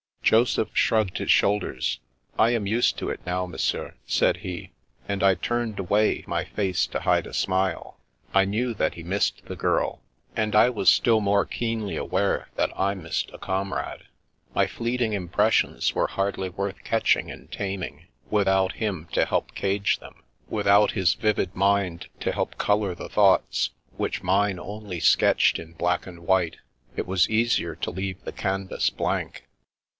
Joseph shrugged his shoulders. " I am used to it now, Monsieur," said he ; and I turned away my face to hide a smile. I knew that he missed the girl, 307 3o8 The Princess Passes and I was still more keenly aware that I missed a comrade. My fleeting impressions were hardly worth catching and taming, without him to help cage them; without his vivid mind to help colour the thoughts, which mine only sketched in black and white, it was easier to leave the canvas blank.